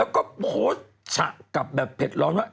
แล้วก็โพสต์ฉะกลับแบบเผ็ดร้อนว่า